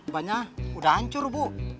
bannya udah hancur bu